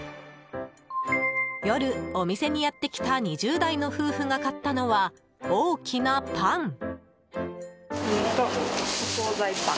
夜、お店にやってきた２０代の夫婦が買ったのは大きなパン。